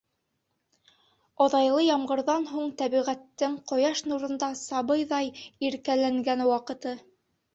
Оҙайлы ямғырҙан һуң тәбиғәттең ҡояш нурында сабыйҙай иркәләнгән ваҡыты.